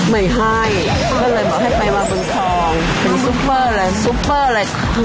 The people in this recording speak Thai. ไม่ให้ก็เลยบอกให้ไปมาบรรคองเป็นซุปเปอร์เลยซุปเปอร์เลย